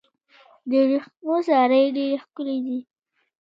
د ورېښمو سارۍ ډیرې ښکلې دي.